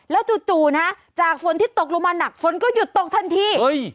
แล้วจู่นะจากฝนที่ตกลงมาหนักฝนก็หยุดตกทันที